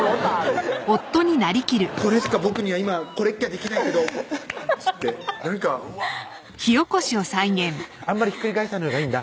言うて「これしか僕には今これっきゃできないけど」っつってなんかうわー「あんまりひっくり返さないほうがいいんだ」